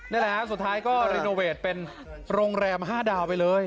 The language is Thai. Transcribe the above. นั่นล่ะแล้วสุดท้ายก็รีเนอร์เวทเป็นโรงแรมห้าดาวไปเลย